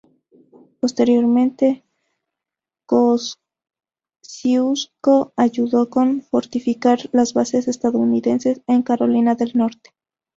Posteriormente, Kościuszko ayudó con fortificar las bases estadounidenses en Carolina del Norte.